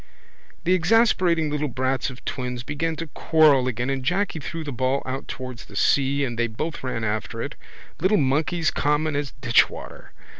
The exasperating little brats of twins began to quarrel again and Jacky threw the ball out towards the sea and they both ran after it. Little monkeys common as ditchwater.